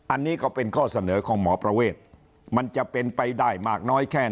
อันนี้ก็เป็นข้อเสนอของหมอประเวทมันจะเป็นไปได้มากน้อยแค่ไหน